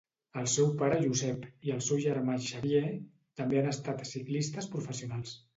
El seu pare Josep i el seu germà Xavier, també han estat ciclistes professionals.